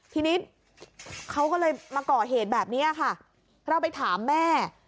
ทีนี้เขาก็เลยมาก่อเหตุแบบนี้ค่ะเราไปถามแม่